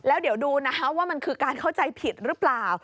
แล้วเดี๋ยวดูนะคะว่ามันคือการเข้าใจผิดหรือเปล่า